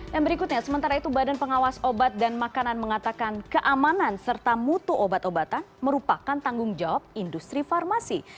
yang berikutnya sementara itu badan pengawas obat dan makanan mengatakan keamanan serta mutu obat obatan merupakan tanggung jawab industri farmasi